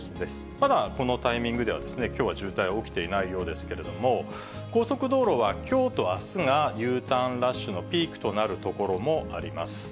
まだ、このタイミングでは、きょうは渋滞、起きていないようですけれども、高速道路はきょうとあすがＵターンラッシュのピークとなる所もあります。